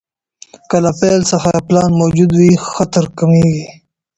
که له پیل څخه پلان موجود وي، خطر کمېږي.